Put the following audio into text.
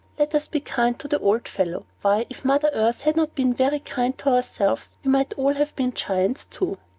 Let us be kind to the old fellow. Why, if Mother Earth had not been very kind to ourselves, we might all have been Giants too."